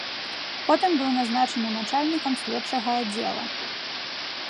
Потым быў назначаны начальнікам следчага аддзела.